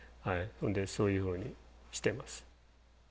そういうふうにしてます。